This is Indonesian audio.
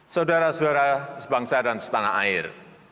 saudara saudara sebangsa dan setanah air